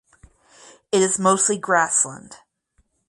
It is mostly grassland.